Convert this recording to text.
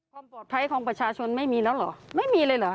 ความปลอดภัยของประชาชนไม่มีแล้วเหรอไม่มีเลยเหรอ